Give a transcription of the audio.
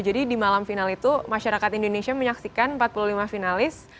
jadi di malam final itu masyarakat indonesia menyaksikan empat puluh lima finalis